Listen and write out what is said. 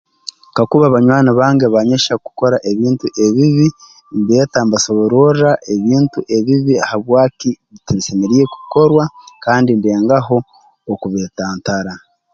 Kakuba banywani bange banyohya kukora ebintu ebibi mbeeta mbasobororra ebintu ebibi habwaki tibisemeriire kukorwa kandi ndengaho okubeetantara